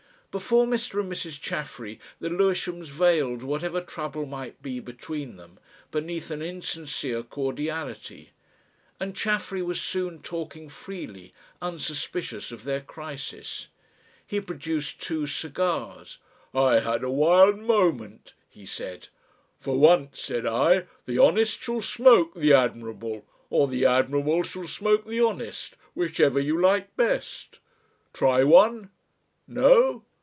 Before Mr. and Mrs. Chaffery the Lewishams veiled whatever trouble might be between them beneath an insincere cordiality, and Chaffery was soon talking freely, unsuspicious of their crisis. He produced two cigars. "I had a wild moment," he said. "'For once,' said I, 'the honest shall smoke the admirable or the admirable shall smoke the honest,' whichever you like best. Try one? No?